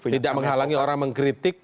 tidak menghalangi orang mengkritik